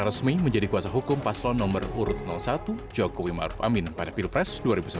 resmi menjadi kuasa hukum paslon nomor urut satu jokowi maruf amin pada pilpres dua ribu sembilan belas